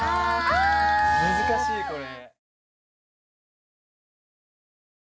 難しいこれ。